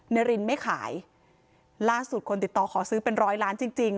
รินไม่ขายล่าสุดคนติดต่อขอซื้อเป็นร้อยล้านจริงจริง